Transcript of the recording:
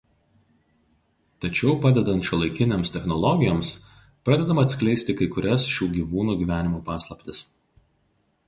Tačiau padedant šiuolaikinėms technologijoms pradedama atskleisti kai kurias šių gyvūnų gyvenimo paslaptis.